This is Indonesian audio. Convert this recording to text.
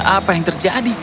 apa yang terjadi